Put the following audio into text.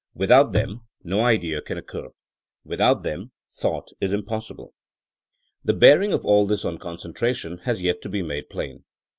Without them no idea can occur. Without them thought is impossible. The bearing of all this on concentration has yet to be made plain.